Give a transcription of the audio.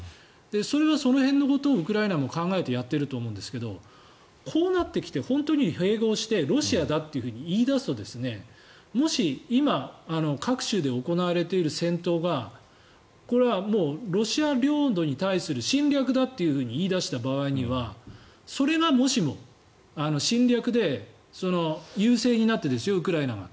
それはその辺のことをウクライナも考えてやっていると思うんですがこうなってきて、本当に併合してロシアだって言い出すともし、今各州で行われている戦闘がこれはもう、ロシア領土に対する侵略だと言い出した場合にはそれがもしも、侵略で優勢になって、ウクライナが。